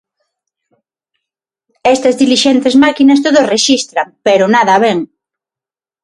Estas dilixentes máquinas todo o rexistran pero nada ven.